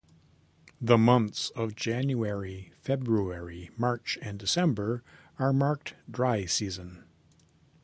The months of January, February, March and December are marked dry season.